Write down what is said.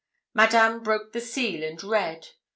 Madame broke the seal, and read.